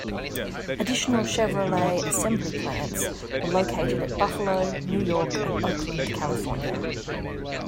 Additional Chevrolet Assembly plants were located at Buffalo, New York and Oakland, California.